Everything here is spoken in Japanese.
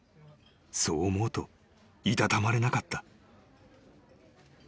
［そう思うと居たたまれなかった］